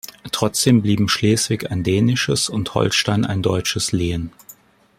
Trotzdem blieben Schleswig ein dänisches und Holstein ein deutsches Lehen.